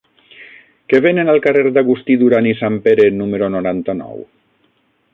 Què venen al carrer d'Agustí Duran i Sanpere número noranta-nou?